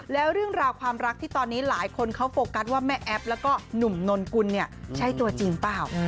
แล้วเรื่องราวความรักที่ตอนนี้หลายคนเขาโฟกัสว่าแม่แอ๊บแล้วก็หนุ่มนนกุลเนี่ยใช่ตัวจริงเปล่า